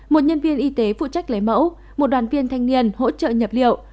một nhân viên y tế phụ trách lấy mẫu một đoàn viên thanh niên hỗ trợ nhập liệu